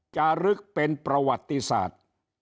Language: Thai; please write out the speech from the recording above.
จะลึกเป็นประวัติศาสตร์